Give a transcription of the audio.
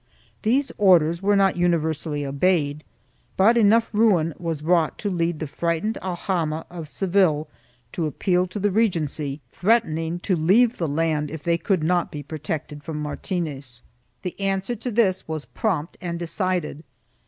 4 These orders were not universally obeyed but enough ruin was wrought to lead the frightened aljama of Seville to appeal to the regency, threatening to leave the land if they could not be protected from Martinez. The answer to this was prompt and decided.